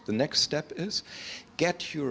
langkah selanjutnya adalah